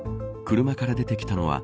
車から出てきたのは